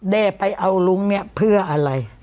ได้ไปเอาลุงเนี่ยเพื่ออะไร